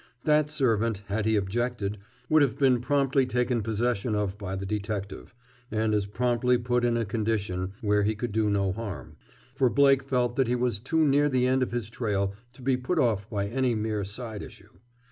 That servant, had he objected, would have been promptly taken possession of by the detective, and as promptly put in a condition where he could do no harm, for Blake felt that he was too near the end of his trail to be put off by any mere side issue.